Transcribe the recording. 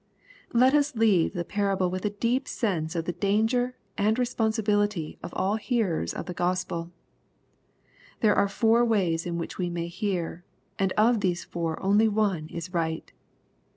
Let us leave the parable with a deep sense of the danger and responsibility of all hearers of the GospeL There are four ways in which we may hear, and of these four only one is right.